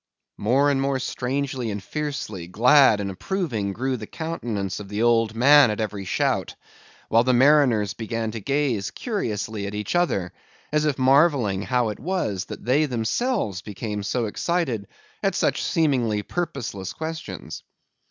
More and more strangely and fiercely glad and approving, grew the countenance of the old man at every shout; while the mariners began to gaze curiously at each other, as if marvelling how it was that they themselves became so excited at such seemingly purposeless questions.